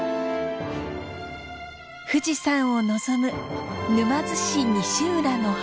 富士山を望む沼津市西浦の浜。